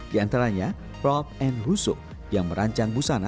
di antaranya rob n rusuk yang merancang busana